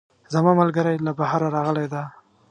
زما ملګرۍ له بهره راغلی ده